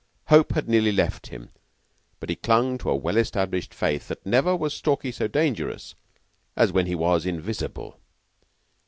Hope had nearly left him, but he clung to a well established faith that never was Stalky so dangerous as when he was invisible.